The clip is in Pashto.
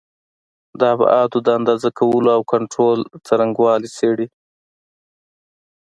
د ابعادو د اندازه کولو او کنټرول څرنګوالي څېړي.